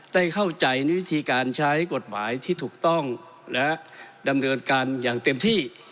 ได้เข้าใจในวิธีการใช้กฎหมายที่ถูกต้องและดำเนินการอย่างเต็มที่